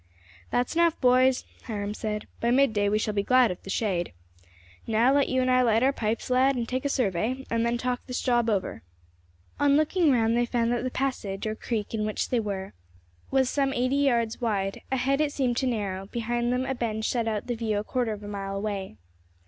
"That's enough, boys," Hiram said; "by midday we shall be glad of the shade. Now, let you and I light our pipes, lad, and take a survey, and then talk this job over." On looking round, they found that the passage, or creek, in which they were was some eighty yards wide; ahead it seemed to narrow; behind them, a bend shut out the view a quarter of a mile away.